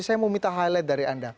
saya mau minta highlight dari anda